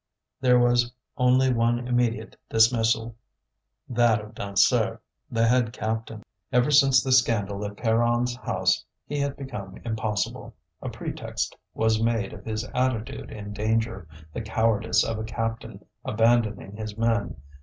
There was only one immediate dismissal, that of Dansaert, the head captain. Ever since the scandal at Pierronne's house he had become impossible. A pretext was made of his attitude in danger, the cowardice of a captain abandoning his men.